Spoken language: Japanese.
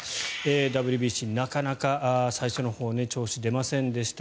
ＷＢＣ、なかなか最初のほう調子が出ませんでした。